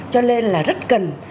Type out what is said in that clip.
cho nên là rất cần